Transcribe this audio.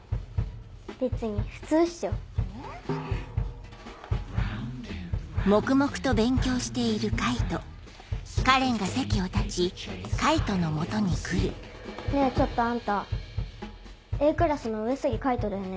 別に普通っしょ。ねぇちょっとあんたＡクラスの上杉海斗だよね？